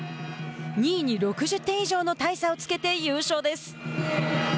２位に６０点以上の大差をつけて優勝です。